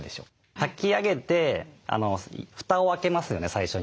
炊き上げて蓋を開けますよね最初に。